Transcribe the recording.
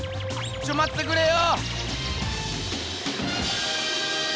ちょっまってくれよ。